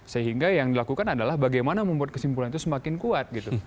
sehingga yang dilakukan adalah bagaimana membuat kesimpulan itu semakin kuat gitu